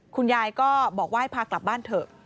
คุณยายก็บอกว่าให้พากลับบ้านเถอะ